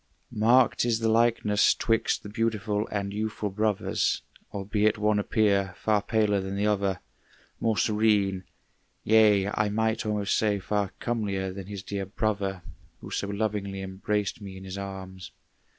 Marked is the likeness 'twixt the beautiful And youthful brothers, albeit one appear Far paler than the other, more serene; Yea, I might almost say, far comelier Than his dear brother, who so lovingly Embraced me in his arms.